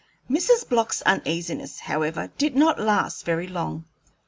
Mrs. Block's uneasiness, however, did not last very long.